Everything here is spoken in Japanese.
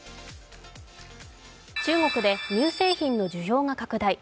中国で乳製品の需要が拡大。